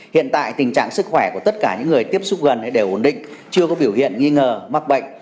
hiện tại tình trạng sức khỏe của tất cả những người tiếp xúc gần đều ổn định chưa có biểu hiện nghi ngờ mắc bệnh